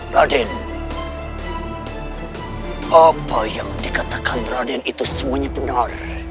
radin apa yang dikatakan radin itu semuanya benar